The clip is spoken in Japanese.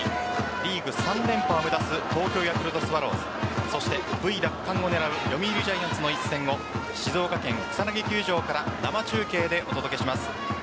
リーグ３連覇を目指す東京ヤクルトスワローズＶ奪還を狙う読売ジャイアンツの一戦を静岡県草薙球場から生中継でお届けします。